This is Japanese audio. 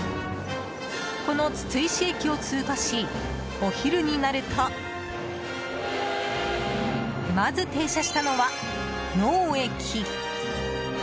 この筒石駅を通過しお昼になるとまず停車したのは能生駅。